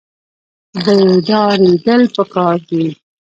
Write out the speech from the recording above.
بیداریدل پکار دي